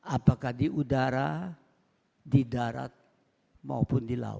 apakah di udara di darat maupun di laut